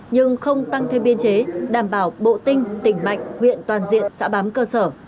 nhưng không tăng thêm biên chế đảm bảo bộ tinh tỉnh mạnh huyện toàn diện xã bám cơ sở